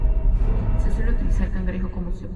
Se suele utilizar cangrejo como cebo.